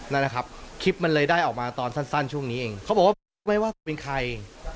นั่นแหละครับคลิปมันเลยได้ออกมาตอนสั้นช่วงนี้เองเขาบอกว่าบันทึกไว้ว่ากูเป็นใคร